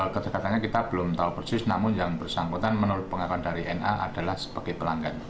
kedekatannya kita belum tahu persis namun yang bersangkutan menurut pengakuan dari na adalah sebagai pelanggan